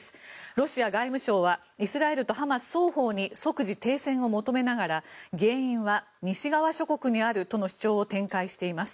ロシア外務省はイスラエルとハマス双方に即時停戦を求めながら原因は西側諸国にあるとの主張を展開しています。